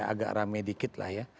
agak rame dikit lah ya